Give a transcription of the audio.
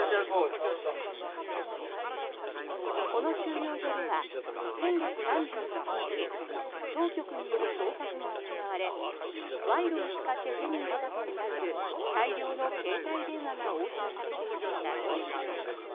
この収容所では先月３１日当局による捜索が行われ賄賂を使って手に入れたとみられる大量の携帯電話が押収されていました。